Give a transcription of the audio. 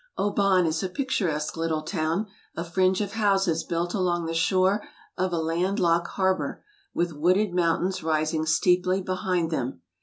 Oban is a picturesque little town, a fringe of houses built along the shore of a land locked harbour, with wooded mountains rising steeply behind them.